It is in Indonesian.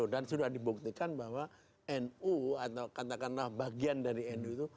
dan sudah dibuktikan bahwa nu atau katakanlah bagian dari nu itu